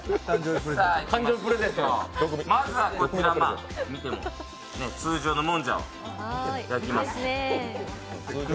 まずはこちら、通常のもんじゃを焼きます。